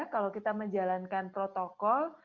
kalau kita menjalankan protokol